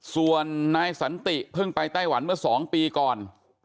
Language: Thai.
ส่วนนายสันติเพิ่งไปไต้หวันเมื่อ๒ปีก่อน